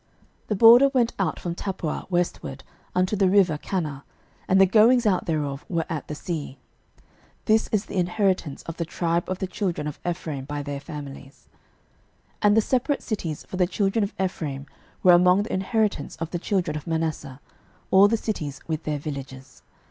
06:016:008 The border went out from Tappuah westward unto the river Kanah; and the goings out thereof were at the sea. This is the inheritance of the tribe of the children of Ephraim by their families. 06:016:009 And the separate cities for the children of Ephraim were among the inheritance of the children of Manasseh, all the cities with their villages.